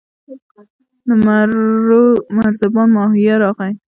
د مرو مرزبان ماهویه راغی.